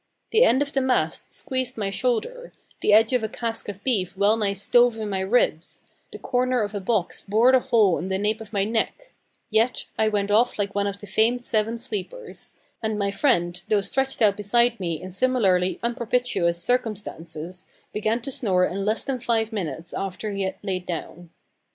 The end of the mast squeezed my shoulder; the edge of a cask of beef well nigh stove in my ribs; the corner of a box bored a hole in the nape of my neck yet I went off like one of the famed seven sleepers, and my friend, although stretched out beside me in similarly unpropitious circumstances, began to snore in less than five minutes after he laid down.